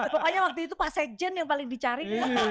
pokoknya waktu itu pak sekjen yang paling dicari